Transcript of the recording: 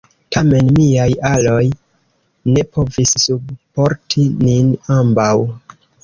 Tamen, miaj aloj ne povis subporti nin ambaŭ.